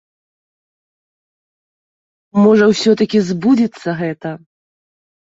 Можа, усё-ткі збудзецца гэта.